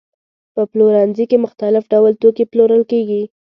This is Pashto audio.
په پلورنځي کې مختلف ډول توکي پلورل کېږي.